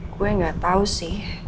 gue gak tau sih